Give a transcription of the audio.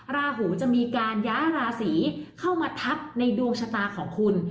ราหูจะมีการย้ายราศีเข้ามาทับในดวงชะตาของคุณ